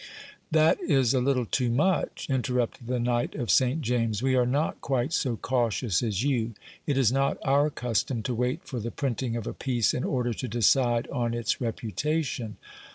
That is a little too much, interrupted the knight of St James. We are not quite so cautious as you. It is not our custom to wait for the printing of a piece in order to decide on its reputation.